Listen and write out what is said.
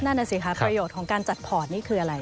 นั่นน่ะสิคะประโยชน์ของการจัดพอร์ตนี่คืออะไร